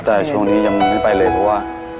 แต่ช่วงนี้ยังไม่ไปเลยเพราะว่า